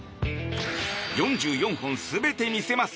４４本全て見せます